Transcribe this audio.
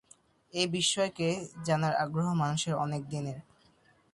এই বিস্ময়কে জানার আগ্রহ মানুষের অনেক দিনের।